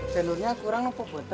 janurnya kurang nopo